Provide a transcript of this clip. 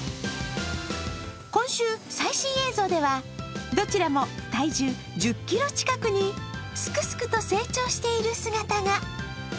今週、最新映像では、どちらも体重１０ｋｇ近くにすくすくと成長している姿が。